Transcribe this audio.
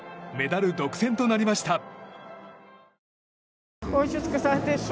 メダル独占となりました。